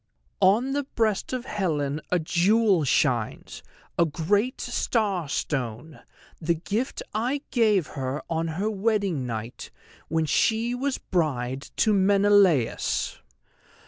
"_On the breast of Helen a jewel shines, a great star stone, the gift I gave her on her wedding night when she was bride to Menelaus.